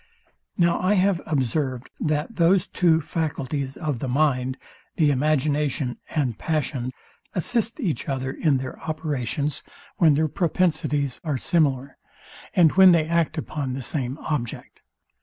Now I have observed, that those two faculties of the mind, the imagination and passions, assist each other in their operations when their propensities are similar, and when they act upon the same object.